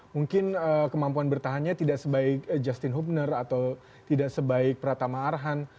mungkin kemampuan bertahannya tidak sebaik justin hubner atau tidak sebaik pratama arhan